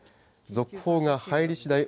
続報が入りしだい